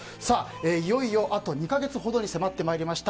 いよいよ、あと２か月ほどに迫ってまいりました